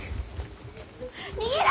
逃げろ！